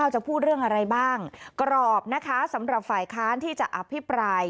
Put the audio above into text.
จะพูดเรื่องอะไรบ้างกรอบนะคะสำหรับฝ่ายค้านที่จะอภิปราย